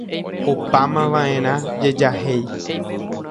Opámavaʼerã jejahéi.